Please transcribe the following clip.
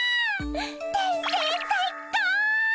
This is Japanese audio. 転生最高！